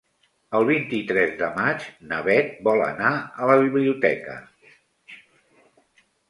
El vint-i-tres de maig na Beth vol anar a la biblioteca.